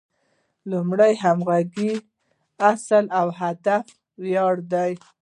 لومړی د همغږۍ اصل او د هدف یووالی دی.